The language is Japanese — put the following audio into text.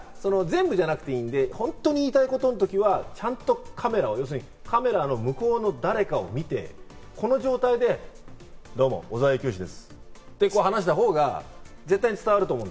全部じゃなくていいんで本当に言いたいことの時はちゃんとカメラを、カメラの向こうの誰かを見て、この状態で「どうも、小澤征悦です」ってこう話したほうが絶対に伝わると思う。